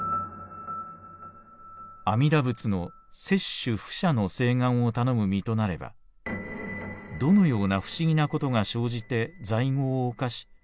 阿弥陀仏の摂取不捨の誓願をたのむ身となればどのような不思議なことが生じて罪業を犯し